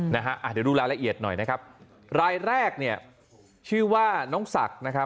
เดี๋ยวดูรายละเอียดหน่อยนะครับรายแรกชื่อว่าน้องศักดิ์